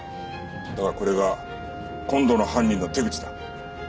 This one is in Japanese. だがこれが今度の犯人の手口だ。